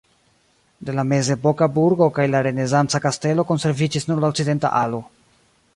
De la mezepoka burgo kaj la renesanca kastelo konserviĝis nur la okcidenta alo.